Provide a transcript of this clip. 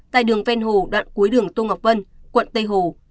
tại đường ven hồ đoạn cuối đường tô ngọc vân quận tây hồ